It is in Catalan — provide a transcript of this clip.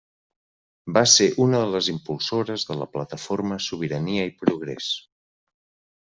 Va ser una de les impulsores de la plataforma Sobirania i Progrés.